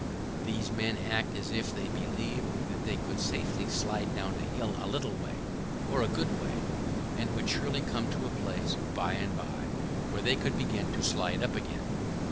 These men act as if they believed that they could safely slide down a hill a little way — or a good way — and would surely come to a place, by and by, where they could begin to slide up again.